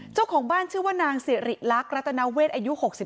เจ้าของบ้านชื่อว่านางสิริรักษ์รัตนาเวศอายุ๖๒